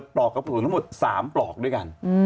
ปลอกกระสุนทั้งหมด๓ปลอกด้วยกัน